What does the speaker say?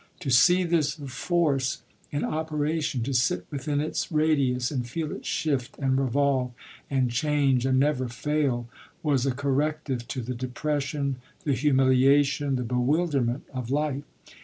To see this force in operation, to sit within its radius and feel it shift and revolve and change and never fail, was a corrective to the depression, the humiliation, the bewilderment of life.